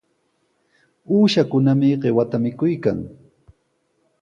Uushakunami qiwata mikuykan.